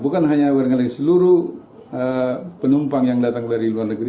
dan hanya seluruh penumpang yang datang dari luar negeri